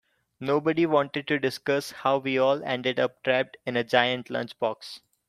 Nobody wanted to discuss how we all ended up trapped in a giant lunchbox.